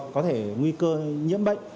có thể nguy cơ nhiễm bệnh